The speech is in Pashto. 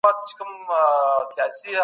کروندګر په خپلو پټيو کي کار کوي.